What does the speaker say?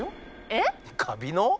えっ？カビの？